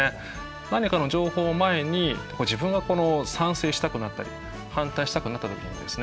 何かの情報を前に自分がこの賛成したくなったり反対したくなった時にですね